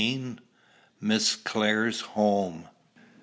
MISS CLARE'S HOME.